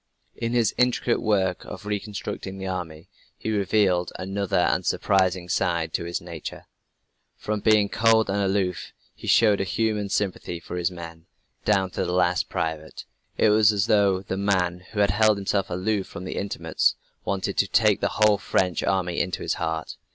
In his intricate work of reconstructing the army, he revealed another, and surprising side to his nature. From being cold and aloof, he showed a human sympathy for his men, down to the last private. It was as though the man who had held himself aloof from intimates wanted to take the whole French army into his heart.